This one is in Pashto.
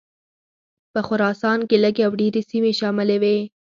په خراسان کې لږې او ډېرې سیمې شاملي وې.